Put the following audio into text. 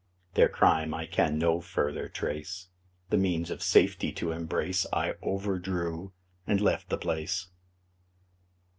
Their crime I can no further trace The means of safety to embrace, I overdrew and left the place.